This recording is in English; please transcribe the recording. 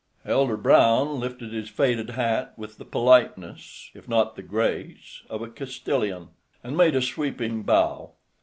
Elder Brown lifted his faded hat with the politeness, if not the grace, of a Castilian, and made a sweeping bow.